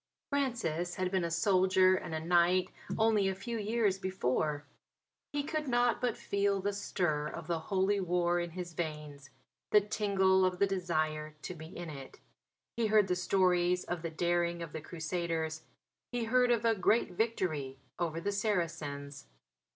Francis had been a soldier and a knight only a few years before. He could not but feel the stir of the Holy War in his veins, the tingle of the desire to be in it. He heard the stories of the daring of the Crusaders; he heard of a great victory over the Saracens.